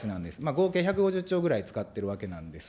合計１５０兆ぐらい使ってるわけなんです。